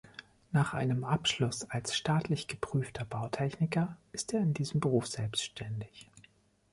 Nach einem Abschluss als staatlich geprüfter Bautechniker ist er in diesem Beruf selbständig.